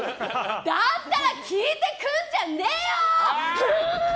だったら聞いてくんじゃねーよ！